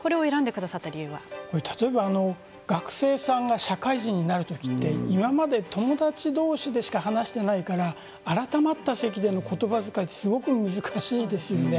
例えば学生さんが社会人になる時って今まで友達同士でしか話していないから改まった席でのことばづかいってすごく難しいですよね。